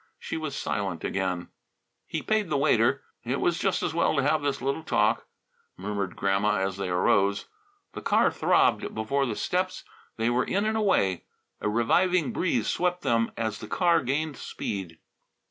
She was silent again. He paid the waiter. "It was just as well to have this little talk," murmured Grandma as they arose. The car throbbed before the steps. They were in and away. A reviving breeze swept them as the car gained speed.